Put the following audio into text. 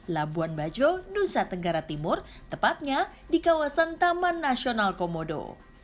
labuan bajo nusa tenggara timur tepatnya di kawasan taman nasional komodo